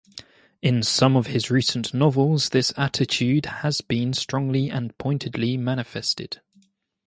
In some of his recent novels this attitude has been strongly and pointedly manifested.